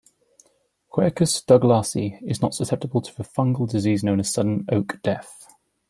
"Quercus douglasii" is not susceptible to the fungal disease known as sudden oak death.